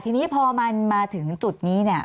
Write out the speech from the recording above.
ทีนี้พอมันมาถึงจุดนี้เนี่ย